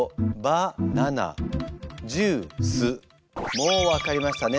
もう分かりましたね。